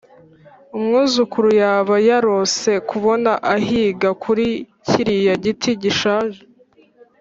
umwuzukuru yaba yarose kubona ahiga kuri kiriya giti gishaje.